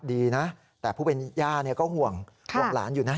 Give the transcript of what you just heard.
ดีนะแต่ผู้เป็นย่าก็ห่วงห่วงหลานอยู่นะ